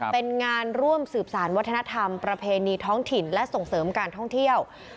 เป็นงานร่วมสืบสารวัฒนธรรมประเพณีท้องถิ่นและส่งเสริมการท่องเที่ยว